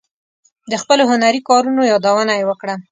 د خپلو هنري کارونو یادونه یې وکړه.